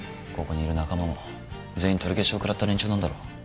ここにいる仲間も全員取り消しを食らった連中なんだろう。